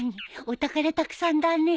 お宝たくさんだね。